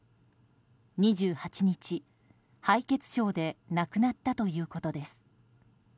２８日、敗血症で亡くなったということです。